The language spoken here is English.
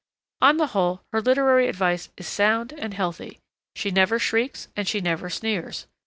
On the whole, her literary advice is sound and healthy. She never shrieks and she never sneers.